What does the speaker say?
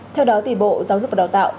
theo đó thì bộ giáo dục và đào tạo